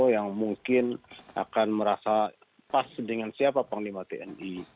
yang mungkin akan merasa pas dengan siapa panglima tni